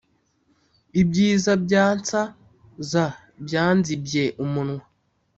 Ibyiza byansaz byanzibye umunwa